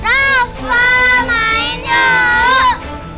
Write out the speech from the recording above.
rafa main dong